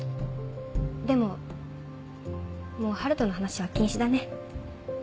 でももう晴翔の話は禁止だね。